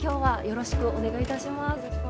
よろしくお願いします。